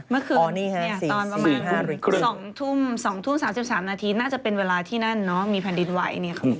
เมื่อคืนเนี่ยตอนประมาณ๒ทุ่ม๓๓นาทีน่าจะเป็นเวลาที่นั่นเนอะมีผ่านดินไหวเนี่ยครับ